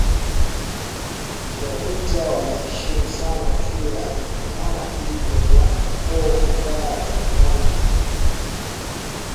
Wajita wanaheshimu sana chura kama ilivyo kwa koo kadhaa za Rwanda